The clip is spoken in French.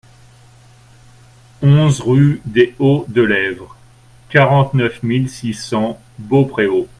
onze rue des Hauts de l'Êvre, quarante-neuf mille six cents Beaupréau